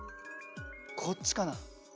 こっちかな？